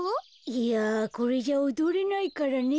いやこれじゃおどれないからね。